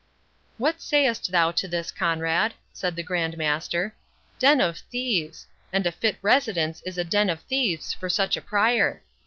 "What sayest thou to this, Conrade?" said the Grand Master—"Den of thieves! and a fit residence is a den of thieves for such a Prior.